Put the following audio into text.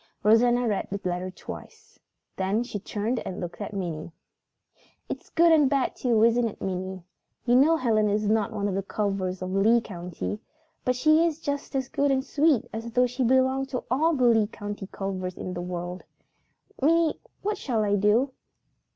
Rosanna read the letter twice. Then she turned and looked at Minnie. "It's good and bad too, isn't it, Minnie? You know Helen is not one of the Culvers of Lee County, but she is just as good and sweet as though she belonged to all the Lee County Culvers in the world. Minnie, what shall I do?"